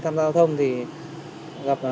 tham gia giao thông thì gặp